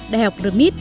đại học remit